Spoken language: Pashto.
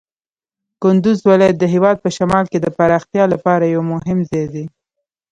کندز ولایت د هېواد په شمال کې د پراختیا لپاره یو مهم ځای دی.